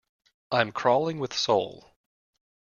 I'm crawling with soul.